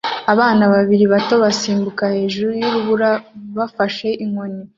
Abana babiri bato basimbuka hejuru yurubura bafashe inkoni